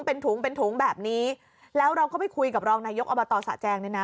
เป็นถุงเป็นถุงแบบนี้แล้วเราก็ไปคุยกับรองนายกอบตสะแจงเนี่ยนะ